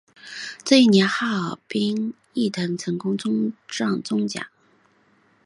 这一年哈尔滨毅腾成功冲上中甲。